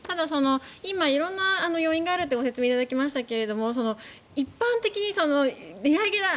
今、色んな要因があるとご説明いただきましたけども一般的に値上げだ